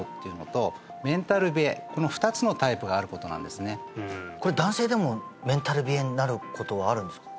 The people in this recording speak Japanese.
確かにねこれ男性でもメンタル冷えになることはあるんですか？